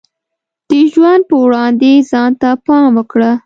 د ژوند په وړاندې ځان ته پام وکړه.